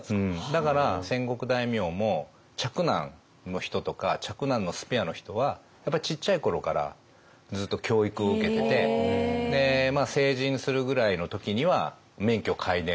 だから戦国大名も嫡男の人とか嫡男のスペアの人はやっぱりちっちゃい頃からずっと教育を受けてて免許があるんですね。